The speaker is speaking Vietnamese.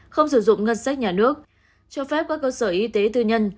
không sử dụng ngân sách nhà nước cho phép các cơ sở y tế tư nhân